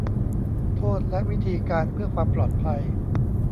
โทษและวิธีการเพื่อความปลอดภัย